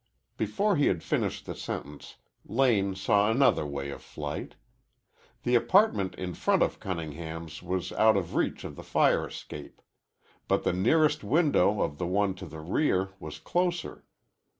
Before he had finished the sentence, Lane saw another way of flight. The apartment in front of Cunningham's was out of reach of the fire escape. But the nearest window of the one to the rear was closer.